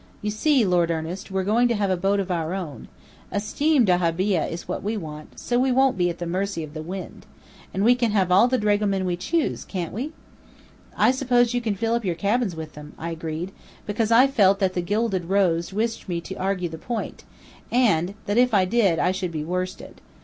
You see, Lord Ernest, we're going to have a boat of our own. A steam dahabeah is what we want, so we won't be at the mercy of the wind. And we can have all the dragomen we choose, can't we?" "I suppose you can fill up your cabins with them," I agreed, because I felt that the Gilded Rose wished me to argue the point, and that if I did I should be worsted.